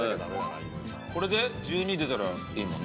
これで１２出たらいいもんね。